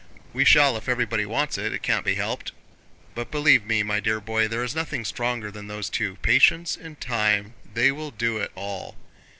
"We shall if everybody wants it; it can't be helped.... But believe me, my dear boy, there is nothing stronger than those two: patience and time, they will do it all.